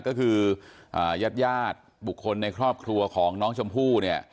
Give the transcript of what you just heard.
ก็คือยาดบุคคลในครอบครัวของน้องชมภูร์